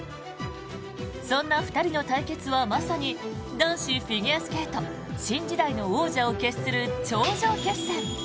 そんな２人の対決はまさに男子フィギュアスケート新時代の王者を決する頂上決戦。